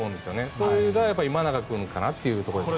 それが今永君かなというところですね。